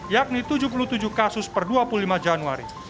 yakni tujuh puluh tujuh kasus per dua puluh lima januari